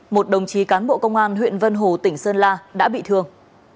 một đồng chí cán bộ công an huyện vân hồ tỉnh sơn la đã bị thương